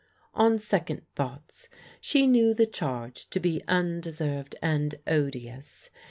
On second thoughts she knew the charge to be undeserved and odious.